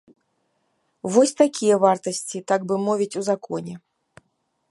Вось такія вартасці, так бы мовіць, у законе.